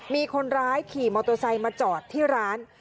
มีคนร้ายขี่มอเตอร์ไซค์มาจอดที่ร้าน